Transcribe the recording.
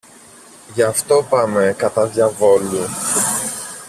Γι' αυτό πάμε κατά διαβόλου.